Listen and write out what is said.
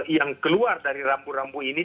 yang keluar dari rambu rambu ini